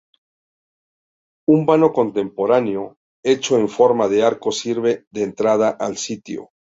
Un vano contemporáneo, hecho en forma de arco, sirve de entrada al sitio.